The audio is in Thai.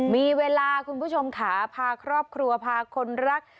มีเวลาคุณผู้ชมขาพาครอบครัวพาคนรัก